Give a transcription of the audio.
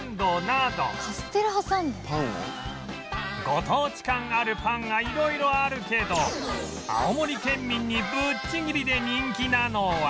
ご当地感あるパンが色々あるけど青森県民にぶっちぎりで人気なのは